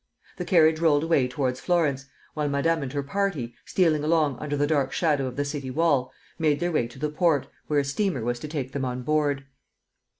The carriage rolled away towards Florence, while Madame and her party, stealing along under the dark shadow of the city wall, made their way to the port, where a steamer was to take them on board.